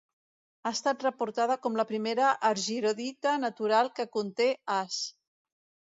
Ha estat reportada com la primera argirodita natural que conté As.